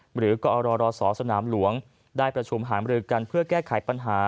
หรือกอรศสนามหลวงได้ประชุมหามรือกันเพื่อแก้ไขปัญหา